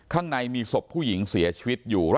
ข้างในมีศพผู้หญิงเสียชีวิตอยู่